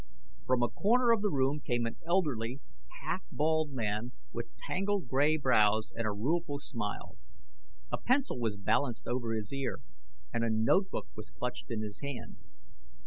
From a corner of the room came an elderly, half bald man with tangled gray brows and a rueful smile. A pencil was balanced over his ear, and a note book was clutched in his hand.